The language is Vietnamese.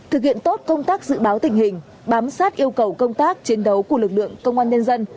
thực hiện tốt công tác dự báo tình hình bám sát yêu cầu công tác chiến đấu của lực lượng công an nhân dân